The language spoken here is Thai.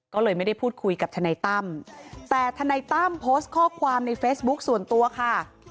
ก็เลยไม่ได้พูดคุยกับทนายตั้มแต่ทนายตั้มโพสต์ข้อความในเฟซบุ๊คส่วนตัวค่ะ